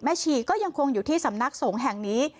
ชีก็ยังคงอยู่ที่สำนักสงฆ์แห่งนี้